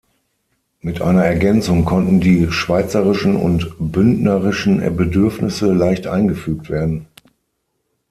Mit einer Ergänzung konnten die schweizerischen und bündnerischen Bedürfnisse leicht eingefügt werden.